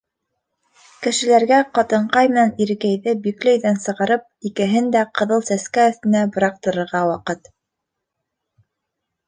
Кешеләргә ҡатынҡай менән ирекәйҙе бикле өйҙән сығарып, икеһен дә Ҡыҙыл Сәскә өҫтөнә быраҡтырырға ваҡыт.